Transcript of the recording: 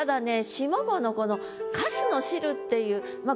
下五のこの「粕の汁」っていうまあ